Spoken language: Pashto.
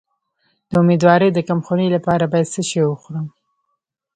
د امیدوارۍ د کمخونی لپاره باید څه شی وخورم؟